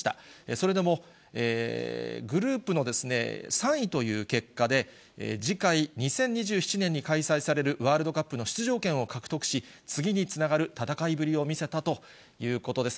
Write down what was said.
それでもグループの３位という結果で、次回２０２７年に開催されるワールドカップの出場権を獲得し、次につながる戦いぶりを見せたということです。